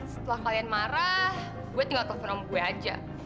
setelah kalian marah gue tinggal telepon sama gue aja